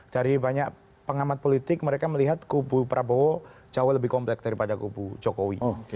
dari banyak pengamat politik mereka melihat kubu prabowo jauh lebih komplek daripada kubu jokowi